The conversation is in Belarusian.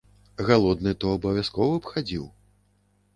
Галодны то абавязкова б хадзіў.